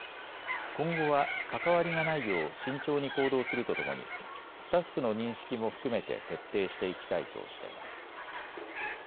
今後は関わりがないよう慎重に行動するとともにスタッフの認識も含めて徹底していきたいとしています。